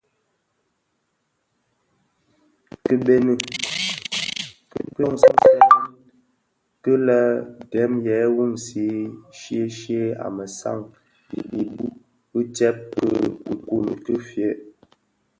Ki bëni kidogsèna ki lè dèm yè wumzi shyeshye a mesaň ibu u tsèb ki nkun ki fuèi.